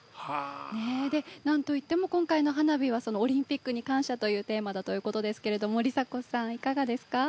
なんといっても今回の花火はオリンピックに感謝というテーマですが梨沙子さん、いかがですか？